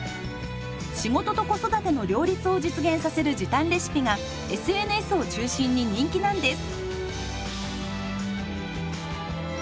仕事と子育ての両立を実現させる時短レシピがＳＮＳを中心に人気なんです。